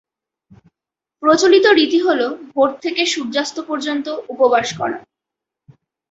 প্রচলিত রীতি হল ভোর থেকে সূর্যাস্ত পর্যন্ত উপবাস করা।